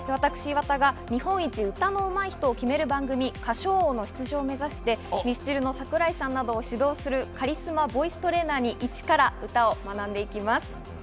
岩田が日本一歌の上手い人を決める番組、『歌唱王』の出場を目指して、ミスチルの桜井さんなどを指導するカリスマボイストレーナーにイチから歌を学びます。